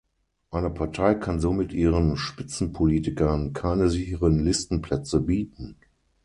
Eine Partei kann somit ihren Spitzenpolitikern keine sicheren Listenplätze bieten.